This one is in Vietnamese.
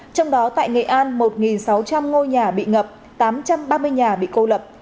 trong đó tại nghệ an một sáu trăm linh ngôi nhà bị ngập tám trăm ba mươi nhà bị cô lập